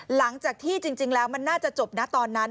หลังจากที่จริงแล้วมันน่าจะจบนะตอนนั้น